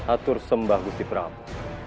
atur sembah gusti pramu